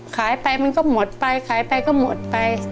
ขายไปมันก็หมดไปขายไปก็หมดไป